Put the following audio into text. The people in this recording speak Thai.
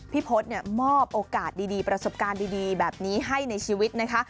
พจน์มอบโอกาสดีประสบการณ์ดีแบบนี้ให้ในชีวิตนะคะ